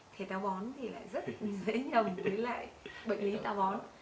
thể táo bón thì lại rất dễ nhầm với lại bệnh lý táo bón